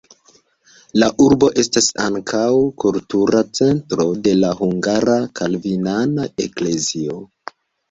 La urbo estas ankaŭ kultura centro de la hungara kalvinana eklezio.